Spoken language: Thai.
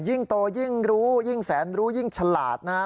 ยิ่งโตยิ่งรู้ยิ่งแสนรู้ยิ่งฉลาดนะครับ